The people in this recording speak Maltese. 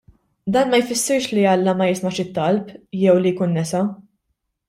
Dan ma jfissirx li Alla ma jismax it-talb jew li jkun nesa.